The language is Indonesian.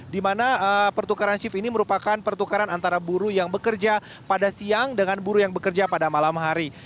di mana pertukaran shift ini merupakan pertukaran antara buruh yang bekerja pada siang dengan buruh yang bekerja pada malam hari